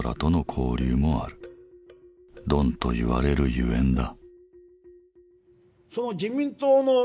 「ドン」と言われるゆえんだ。